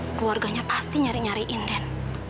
keluarganya pasti nyari nyariin den